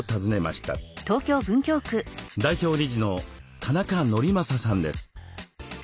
代表理事の田中法昌さんです。